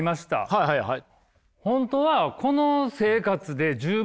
はいはいはい。